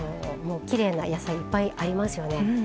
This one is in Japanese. きれいな野菜いっぱいありますよね。